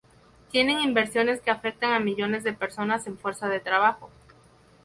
Tienen inversiones que afectan a millones de personas en fuerza de trabajo.